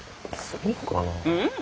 そうかなあ。